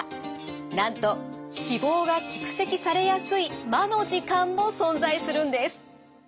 なんと脂肪が蓄積されやすい魔の時間も存在するんです。